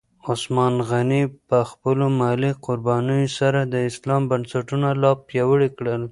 عثمان غني په خپلو مالي قربانیو سره د اسلام بنسټونه لا پیاوړي کړل.